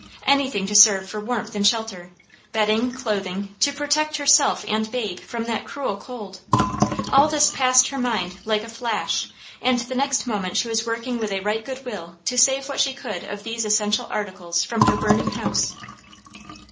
Anything to serve for warmth and shelter bedding, clothing, to protect herself and babe from that cruel cold! All this passed her mind like a flash, and the next moment she was working with a right good will to save what she could of these essential articles from her burning house.